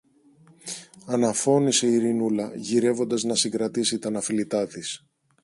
αναφώνησε η Ειρηνούλα, γυρεύοντας να συγκρατήσει τ' αναφιλητά της.